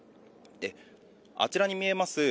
あちらに見えます